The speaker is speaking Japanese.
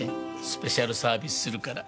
スペシャルサービスするから。